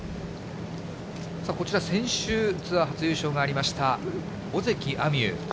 こちら先週、ツアー初優勝がありました、尾関彩美悠。